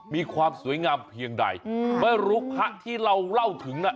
มีความสวยงามเพียงใดไม่รู้พระที่เราเล่าถึงน่ะ